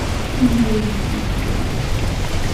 Anwa ay iran ibeɛɛucen?